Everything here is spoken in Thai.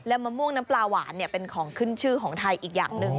มะม่วงน้ำปลาหวานเป็นของขึ้นชื่อของไทยอีกอย่างหนึ่ง